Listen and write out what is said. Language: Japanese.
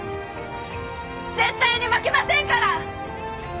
絶対に負けませんから